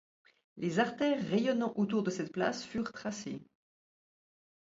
Les artères rayonnant autour cette place furent tracées.